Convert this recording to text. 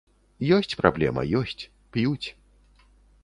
Ёсць праблема, ёсць, п'юць.